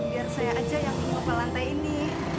biar saya aja yang ke lantai ini